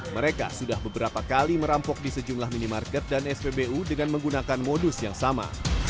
mereka sudah beberapa kali merampok di sejumlah minimarket dan spbu dengan menggunakan modus yang sama